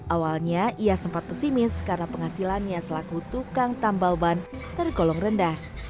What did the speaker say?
awalnya ia sempat pesimis karena penghasilannya selaku tukang tambal ban tergolong rendah